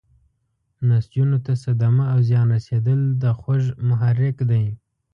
نسجونو ته صدمه او زیان رسیدل د خوږ محرک دی.